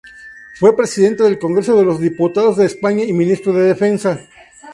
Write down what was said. Fue Presidente del Congreso de los Diputados de España y ministro de Defensa.